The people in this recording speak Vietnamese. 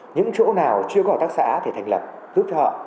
những chỗ nào chưa có các xã thì thành lập giúp cho họ